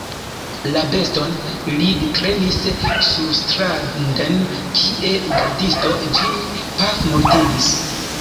La beston li trenis surstranden, kie gardisto ĝin pafmortigis.